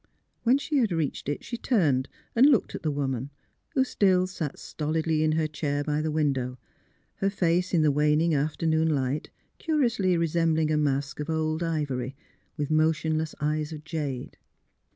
When she had reached it, she turned and looked at the woman, who still sat stolidly in her chair by the window, her face, in the waning afternoon light, curiously resembling a mask of old ivory, with motionless eyes of jade.